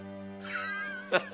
ハハハハ！